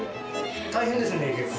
大変ですね結構。